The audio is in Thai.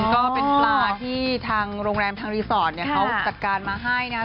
ก็เป็นปลาที่ทางโรงแรมทางรีสอร์ทเขาจัดการมาให้นะฮะ